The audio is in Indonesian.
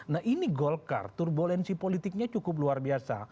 nah ini golkar turbulensi politiknya cukup luar biasa